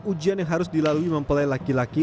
ujian yang harus dilalui mempelai laki laki